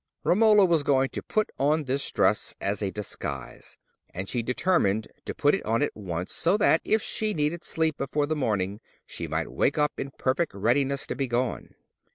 Romola was going to put on this dress as a disguise, and she determined to put it on at once, so that, if she needed sleep before the morning, she might wake up in perfect readiness to be gone.